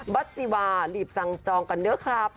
บัตรซีวารีบสั่งจองกันเด้อครับ